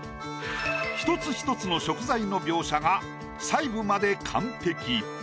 １つ１つの食材の描写が細部まで完璧。